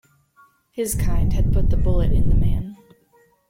His kind had put the bullet in the man.